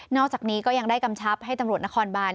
อกจากนี้ก็ยังได้กำชับให้ตำรวจนครบาน